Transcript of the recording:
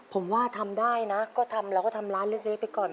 ผมว่าทำได้นะก็ทำเราก็ทำร้านเล็กไปก่อน